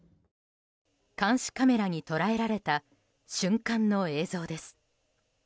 監視カメラに捉えられた瞬間の映像です。